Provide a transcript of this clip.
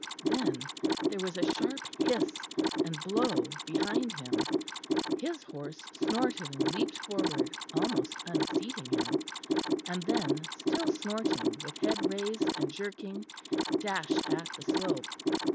Then there was a sharp hiss and blow behind him; his horse snorted and leapt forward, almost unseating him, and then, still snorting with head raised and jerking, dashed at the slope.